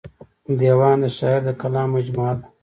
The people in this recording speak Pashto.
دېوان د شاعر د کلام مجموعه ده.